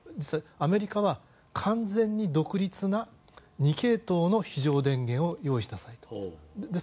アメリカは完全に独立な２系統の非常電源を用意しなさいと。